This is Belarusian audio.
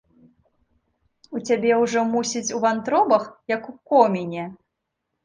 У цябе ўжо, мусіць, у вантробах, як у коміне.